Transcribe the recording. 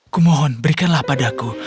kumohon berikanlah padaku